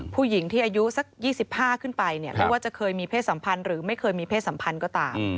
ผู้หญิงที่อายุสัก๒๕ขึ้นไปเนี่ยไม่ว่าจะเคยมีเพศสัมพันธ์หรือไม่เคยมีเพศสัมพันธ์ก็ตาม